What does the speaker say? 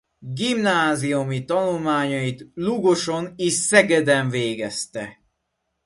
Gimnáziumi tanulmányait Lugoson és Szegeden végezte.